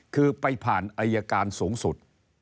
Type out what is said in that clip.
คือไปผ่านอายการสูงสุด